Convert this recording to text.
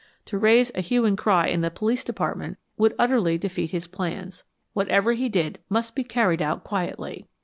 To raise a hue and cry in the Police Department would utterly defeat his plans. Whatever he did must be carried out quietly.